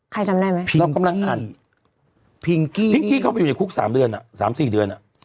ใครจำได้ไหมพิงกี้พิงกี้เข้าไปอยู่ในคุก๓เดือน๓๔เดือน